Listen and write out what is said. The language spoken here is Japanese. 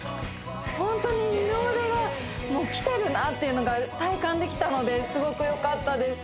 本当に二の腕がもうきてるなっていうのが体感できたのですごくよかったです